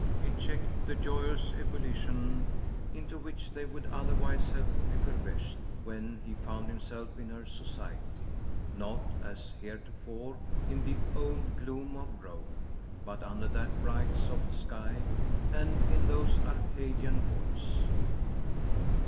It checked the joyous ebullition into which they would otherwise have effervesced when he found himself in her society, not, as heretofore, in the old gloom of Rome, but under that bright soft sky and in those Arcadian woods.